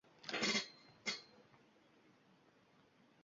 Kattalar ham qiziq degan fikr o`tgandi qizaloqning xayolidan o`shandi